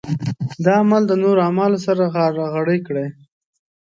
دا عمل د نورو اعمالو سره غاړه غړۍ کړي.